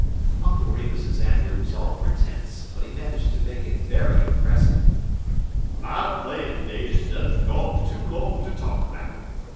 Uncle Remus's anger was all pretence, but he managed to make it very impressive. "My playin' days done gone too long ter talk 'bout.